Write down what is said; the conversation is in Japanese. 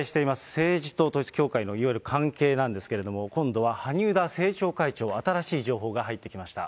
政治と統一教会のいわゆる関係なんですけれども、今度は萩生田政調会長、新しい情報が入ってきました。